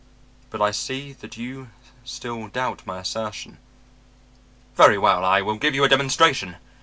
But I see that you still doubt my assertion. Very well, I will give you a demonstration.